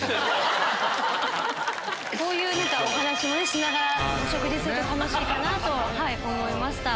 こういうお話もしながらお食事すると楽しいかなと思いました。